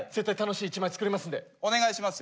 お願いしますよ。